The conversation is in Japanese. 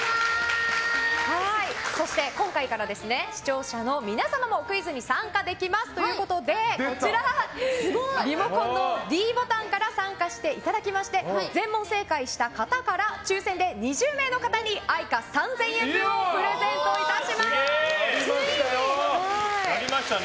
そして今回から視聴者の皆様もクイズに参加できますということでリモコンのｄボタンから参加していただきまして全問正解した方から抽選で２０名の方にＡｉｃａ３０００円分をやりましたね。